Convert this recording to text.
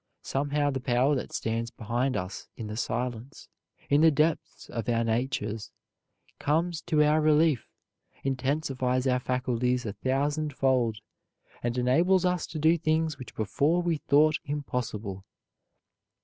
Somehow the power that stands behind us in the silence, in the depths of our natures, comes to our relief, intensifies our faculties a thousandfold and enables us to do things which before we thought impossible.